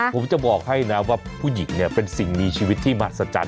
ผมจะบอกให้นะว่าผู้หญิงเนี่ยเป็นสิ่งมีชีวิตที่มหัศจรรย